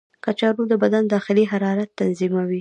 کچالو د بدن داخلي حرارت تنظیموي.